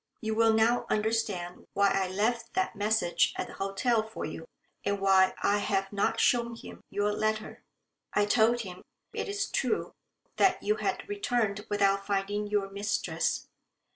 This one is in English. You will now understand why I left that message at the hotel for you, and why I have not shown him your letter. I told him, it is true, that you had returned without finding your mistress.